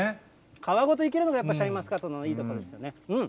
皮ごといけるのがやっぱ、シャインマスカットのいいところですね。